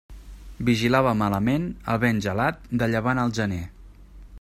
Vigilava malament el vent gelat de llevant al gener.